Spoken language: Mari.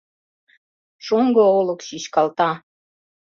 Шоҥго Олык чӱчкалта